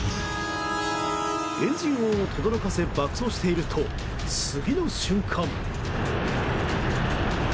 エンジン音を轟かせ爆走していると、次の瞬間。